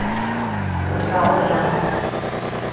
橋梁